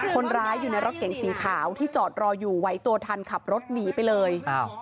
คนร้ายอยู่ในรถเก๋งสีขาวที่จอดรออยู่ไหวตัวทันขับรถหนีไปเลย